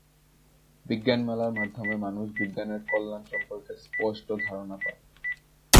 বিজ্ঞান মেলার মাধ্যমে মানুষ বিজ্ঞানের কল্যাণ সম্পর্কে স্পষ্ট ধারণা পায়।